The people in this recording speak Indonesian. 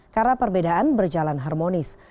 karena perbedaan berjalan harmonis